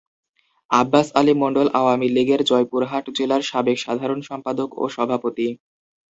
আব্বাস আলী মন্ডল আওয়ামী লীগের জয়পুরহাট জেলার সাবেক সাধারণ সম্পাদক ও সভাপতি।